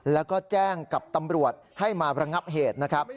แล้วก็แจ้งกับตำรวจให้มาระงับเหตุนะครับ